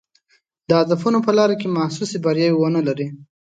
د هدفونو په لاره کې محسوسې بریاوې ونه لري.